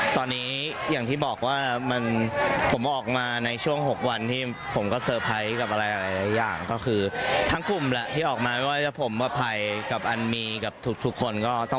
ตอนนี้กับทุกคนก็ต้องมาเรียนรู้กันก่อน